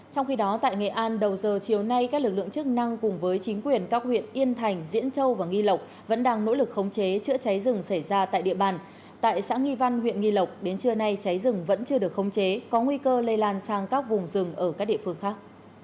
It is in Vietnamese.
trong khi đó tại nghệ an đầu giờ chiều nay các lực lượng chức năng cùng với chính quyền các huyện yên thành diễn châu và nghi lộc vẫn đang nỗ lực khống chế chữa cháy rừng xảy ra tại địa bàn tại xã nghi văn huyện nghi lộc đến trưa nay cháy rừng vẫn chưa được khống chế có nguy cơ lây lan sang các vùng rừng ở các địa phương khác